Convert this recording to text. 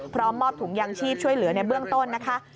พร้อมมอบถุงยางชีพช่วยเหลือในเบื้องต้นนะคะ